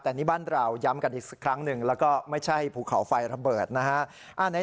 แต่นี่บ้านเราย้ำกันอีกครั้งหนึ่งแล้วก็ไม่ใช่ภูเขาไฟระเบิดนะฮะ